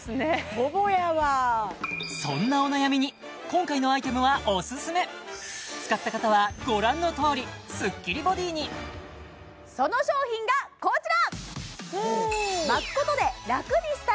ほぼやわそんなお悩みに今回のアイテムはオススメ使った方はご覧のとおりスッキリボディにその商品がこちら！